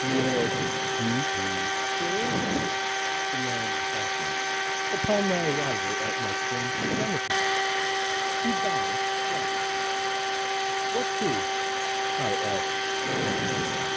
"Your key, please, sir," demands Hawkins upon my arrival at my friend's summer palace. He bows slightly. "What key?" I ask uneasily.